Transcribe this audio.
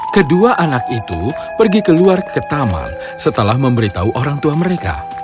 kedua anak itu pergi keluar ke taman setelah memberitahu orang tua mereka